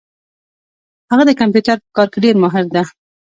هغه د کمپیوټر په کار کي ډېر ماهر ده